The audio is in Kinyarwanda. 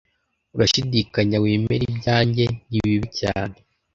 urashidikanya wemere ibyanjye ni bibi cyane